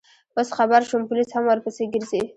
اوس خبر شوم، پولیس هم ورپسې ګرځي.